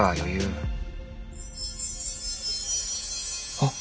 あっ。